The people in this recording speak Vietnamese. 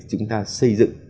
chúng ta xây dựng